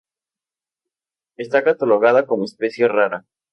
Está catalogada como especie rara.